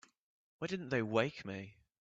Why didn't they wake me?